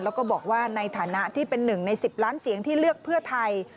แล้วก็บอกว่าในฐานะที่เป็นหนึ่งใน๑๐ล้านเสียงที่เลือกเพื่อไทย